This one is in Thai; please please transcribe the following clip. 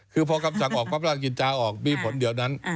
คือพอคำสั่งออกพระราชกิจจาออกมีผลเดี๋ยวนั้น